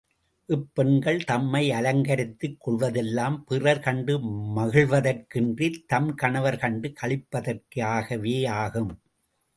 இப்பெண்கள் தம்மை அலங்கரித்துக் கொள்வதெல்லாம், பிறர் கண்டு மகிழ்வதற்கின்றித் தம் கணவர் கண்டு களிப்பதற்காகவேயாகும்.